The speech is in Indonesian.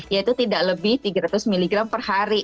yaitu tidak lebih tiga ratus miligram per hari